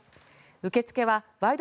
受け付けは「ワイド！